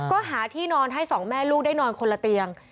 ก็หาที่นอนให้สองแม่ลูกได้นอนคนละเตียง